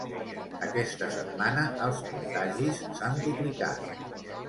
Aquesta setmana els contagis s’han duplicat.